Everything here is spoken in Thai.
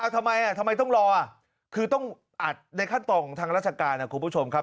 ทำไมทำไมต้องรอคือต้องอัดในขั้นตอนของทางราชการนะคุณผู้ชมครับ